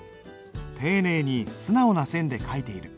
丁寧に素直な線で書いている。